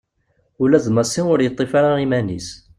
Ula d Massi ur yeṭṭif ara iman-is.